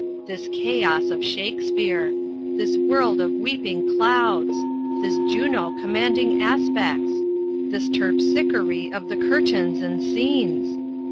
this chaos of Shakespeare! this world of weeping clouds! this Juno commanding aspects! this Terpsichore of the curtains and scenes!